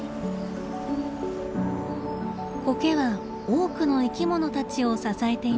コケは多くの生きものたちを支えています。